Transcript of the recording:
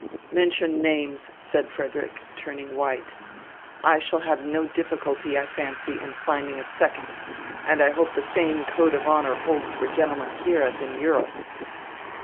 "Mention names," said Frederick, turning white. "I shall have no difficulty, I fancy, in finding a second, and I hope the same code of honour holds for gentlemen here as in Europe."